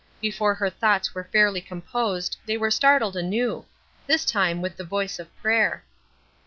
Before her thoughts were fairly composed they were startled anew; this time with the voice of prayer.